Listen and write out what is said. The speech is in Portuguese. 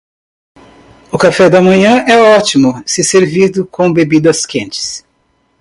O café da manhã é ótimo se servido com bebidas quentes.